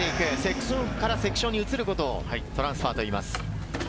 クッションからセクションに移ることをトランスファーといいます。